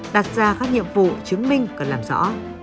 đặt ra các nhiệm vụ chứng minh cần làm rõ